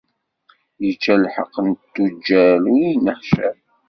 Yečča lḥeq n tuǧǧal ur yenneḥcam.